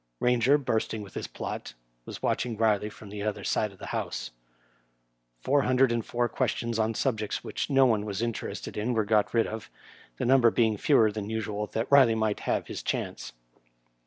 Eainger, bursting with his plot, was watching Kiley from the other side of the House. Four hundred and four questions on subjects which no one was interested in were got rid of, the number being fewer than usual that Riley might have hia chance.